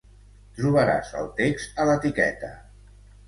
Trobaràs el text a l'etiqueta.